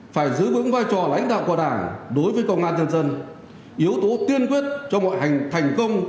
phải giữ vững vai trò lãnh đạo của đảng đối với công an nhân dân yếu tố tiên quyết cho mọi hành thành công